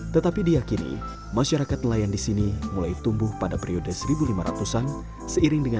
tetapi diakini masyarakat nelayan di sini mulai tumbuh pada periode seribu lima ratus an seiring dengan